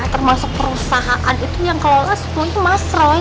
termasuk perusahaan itu yang kelola semua itu mas roy